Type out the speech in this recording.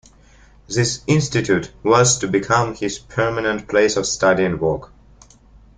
This Institute was to become his permanent place of study and work.